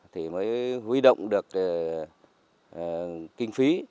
thì mới huy động được kinh phí